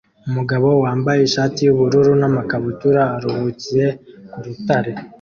Umugabo wambaye ishati yubururu namakabutura aruhukiye ku rutare